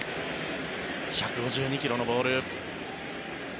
１５２ｋｍのボール。